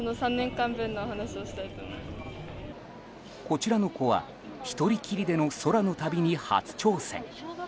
こちらの子は１人きりでの空の旅に初挑戦。